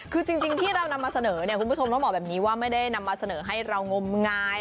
คือจริงที่เรานำมาเสนอเนี่ยคุณผู้ชมต้องบอกแบบนี้ว่าไม่ได้นำมาเสนอให้เรางมงาย